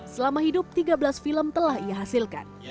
selama hidup tiga belas film telah ia hasilkan